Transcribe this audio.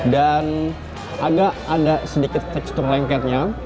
dan agak ada sedikit tekstur lengketnya